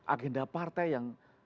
agenda partai yang